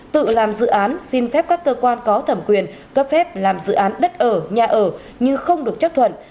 tự làm dự án xin phép các cơ quan có thẩm quyền cấp phép làm dự án đất ở nhà ở nhưng không được chấp thuận